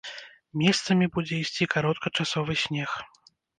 Месцамі будзе ісці кароткачасовы снег.